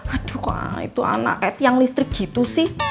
aduh kak itu anak ed yang listrik gitu sih